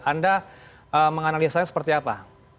anda menganalisanya seperti apa